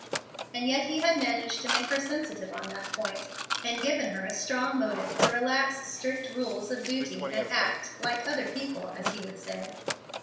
And yet he had managed to make her sensitive on that point, and given her a strong motive to relax strict rules of duty, and act "like other people," as he would say.